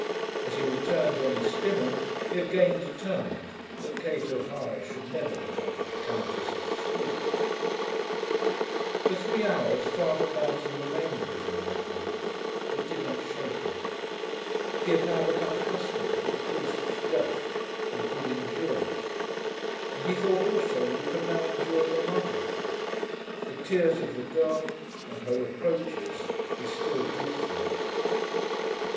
As he returned to Ennistimon he again determined that Kate O'Hara should never become Countess of Scroope. For three hours Father Marty remained with him that night, but did not shake him. He had now become accustomed to the priest's wrath and could endure it. And he thought also that he could now endure the mother. The tears of the girl and her reproaches he still did fear.